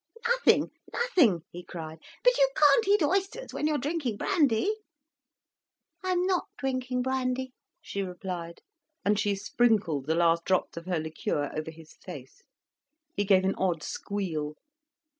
"Nothing, nothing," he cried. "But you can't eat oysters when you're drinking brandy." "I'm not drinking brandy," she replied, and she sprinkled the last drops of her liqueur over his face. He gave an odd squeal.